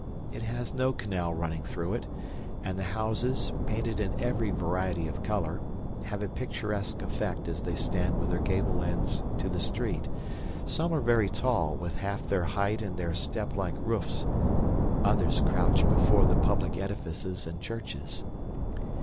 It has no canal running through it, and the houses, painted in every variety of color, have a picturesque effect as they stand with their gable ends to the street; some are very tall with half their height in their step like roofs; others crouch before the public edifices and churches.